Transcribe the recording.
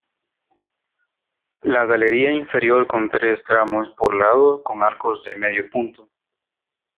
La galería inferior con tres tramos por lado con arcos de medio punto.